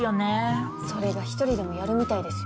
それが１人でもやるみたいですよ。